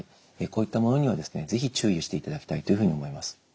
こういったものにはですね是非注意をしていただきたいというふうに思います。